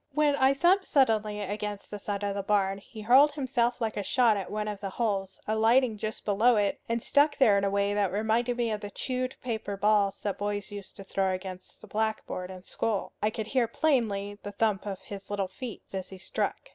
When I thumped suddenly against the side of the barn, he hurled himself like a shot at one of the holes, alighting just below it, and stuck there in a way that reminded me of the chewed paper balls that boys used to throw against the blackboard in school. I could hear plainly the thump of his little feet as he struck.